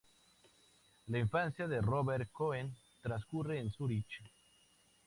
La infancia de Robert Cohen transcurre en Zúrich.